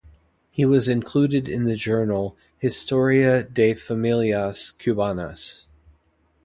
He was included in the journal "Historia de familias cubanas".